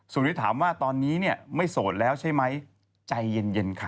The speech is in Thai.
ส่วนที่ถามว่าตอนนี้ไม่โสดแล้วใช่ไหมใจเย็นค่ะ